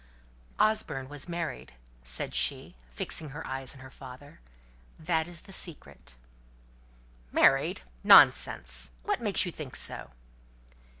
"Osborne was married," said she, fixing her eyes on her father. "That is the secret." "Married! Nonsense. What makes you think so?"